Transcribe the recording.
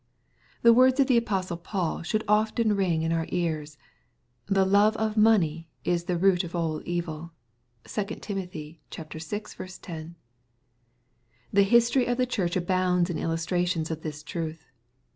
The words of the apostle Paul should often ring in our ears, "the love of money is the root of all evil." (2 Tim. n. 10.) The historyof the Church abounds in illustrations of this truth.